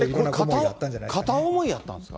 片思いやったんですか？